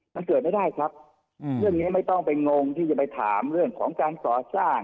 มันเกิดไม่ได้ครับเรื่องนี้ไม่ต้องไปงงที่จะไปถามเรื่องของการก่อสร้าง